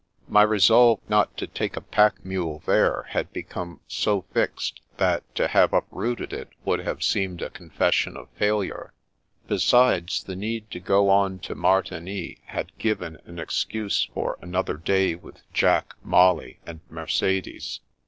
My resolve not to take a pack mule there had become so fixed, that to have uprooted it would have seemed a confession of failure. Besides, the need to go on to Martigny had given an excuse for another day witli Jack, Molly, and Mercedes.